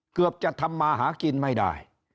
เกือบจะทำมาหากินไม่ได้